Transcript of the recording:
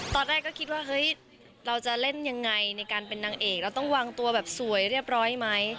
ตอนแรกก็คิดว่าเฮ้ยเราจะเล่นยังไงในการเป็นนางเอกเราต้องวางตัวแบบสวยเรียบร้อยไหม